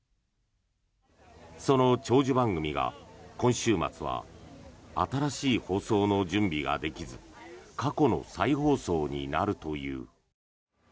その長寿番組が、今週末は新しい放送の準備ができず過去の再放送になるという。